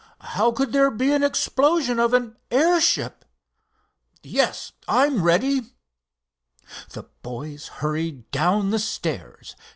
"How could there be an explosion of an airship? Yes, I'm ready." The boys hurried down the stairs.